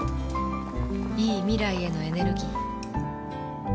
いい未来へのエネルギー